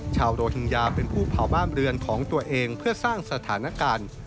โรฮิงญาเป็นผู้เผาบ้านเรือนของตัวเองเพื่อสร้างสถานการณ์